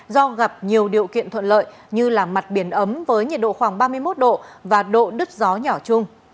do gặp nhiều điều kiện thuận lợi như là mặt biển ấm với nhiệt độ khoảng ba mươi một độ và độ đứt gió nhỏ chung